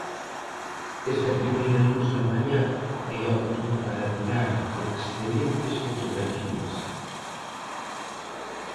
Esta primeira luz da mañá é óptima para tirar excelentes fotografías